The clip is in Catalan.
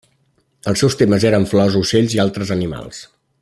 Els seus temes eren flors, ocells i altres animals.